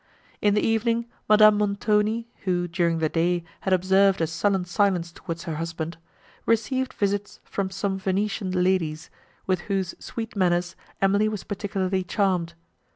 In the evening, Madame Montoni, who, during the day, had observed a sullen silence towards her husband, received visits from some Venetian ladies, with whose sweet manners Emily was particularly charmed.